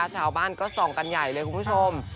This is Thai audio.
ชาวบ้านก็ส่องกันใหญ่เลยคุณผู้ชม